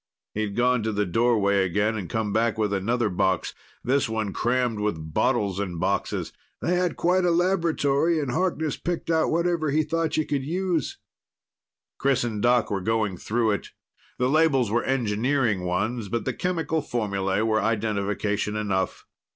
He'd gone to the doorway again and came back with another box, this one crammed with bottles and boxes. "They had quite a laboratory, and Harkness picked out whatever he thought you could use." Chris and Doc were going through it. The labels were engineering ones, but the chemical formulae were identification enough.